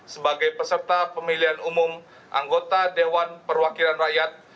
sebagai peserta pemilihan umum anggota dewan perwakilan rakyat